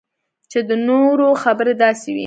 چې د نورو خبرې داسې وي